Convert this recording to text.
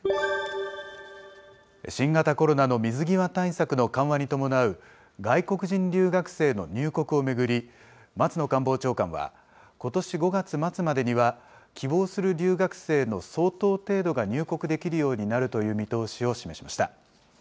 新型コロナの水際対策の緩和に伴う、外国人留学生の入国を巡り、松野官房長官は、ことし５月末までには、希望する留学生の相当程度が入国できるようになるという見通しを示しました。